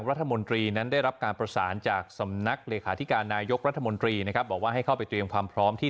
เพื่อให้พี่น้องประชาชนเห็นว่าเราได้ทุ่มเทการทำงานอย่างเกินที่